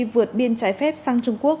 vượt biên trái phép sang trung quốc